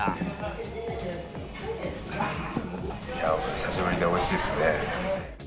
久しぶりでおいしいですね。